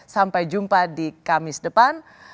sampai jumpa di kamis depan